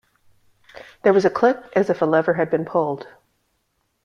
There was a click as if a lever had been pulled.